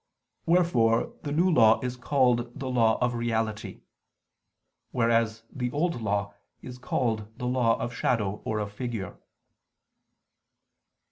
Wherefore the New Law is called the law of reality; whereas the Old Law is called the law of shadow or of figure.